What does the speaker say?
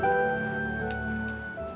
gak capek ya